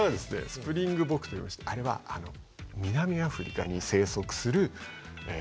スプリングボクといいましてあれは南アフリカに生息する牛の仲間なんですよ。